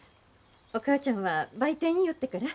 お母ちゃんは売店寄ってから。